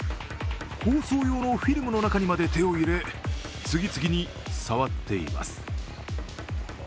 包装用のフィルムの中にまで手を入れ、次々に触っています。